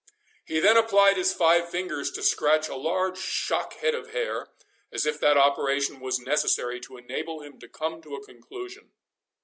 He then applied his five fingers to scratch a large shock head of hair, as if that operation was necessary to enable him to come to a conclusion.